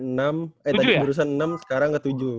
eh tadi keburusan enam sekarang ke tujuh